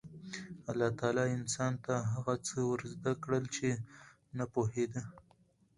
الله تعالی انسان ته هغه څه ور زده کړل چې نه پوهېده.